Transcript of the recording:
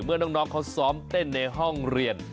เมื่อน้องเขาซ้อมเต้นในห้องเรียน